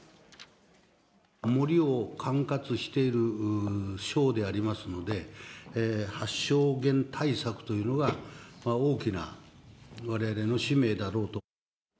森を管轄している省でありますので、発生源対策というのが、大きなわれわれの使命だろうと。